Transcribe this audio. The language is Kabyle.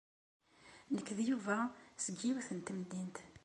Nekk d Yuba seg yiwet n temdint.